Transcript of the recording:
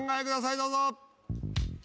どうぞ。